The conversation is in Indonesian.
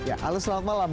ya ales selamat malam